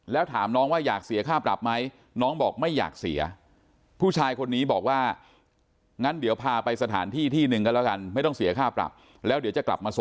แล้วถามน้องว่าอยากเสียค่าปรับไหมน้องบอกไม่อยากเสีย